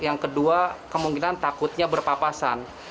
yang kedua kemungkinan takutnya berpapasan